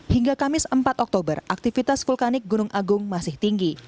pada dua puluh empat oktober aktivitas vulkanik gunung agung masih tinggi